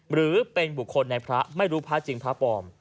หรือเป็นบุคคลในพระไม่รู้พระจริงพระปลอม